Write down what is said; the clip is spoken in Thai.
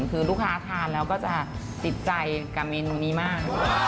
คือลูกค้าทานแล้วก็จะติดใจกับเมนูนี้มาก